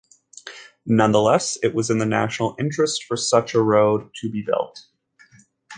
Nonetheless, it was in the national interest for such a road to be built.